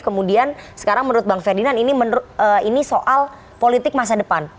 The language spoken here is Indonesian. kemudian sekarang menurut bang ferdinand ini soal politik masa depan